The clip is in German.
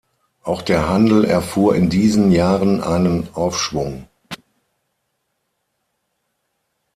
Auch der Handel erfuhr in diesen Jahren einen Aufschwung.